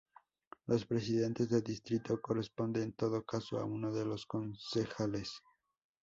Los presidentes de distrito corresponde en todo caso a uno de los concejales.